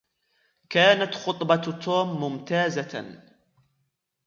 كانت خطبة توم ممتازة.